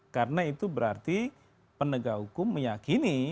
karena itu berarti penegak hukum meyakini